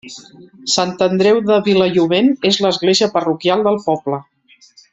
Sant Andreu de Vilallobent és l’església parroquial del poble.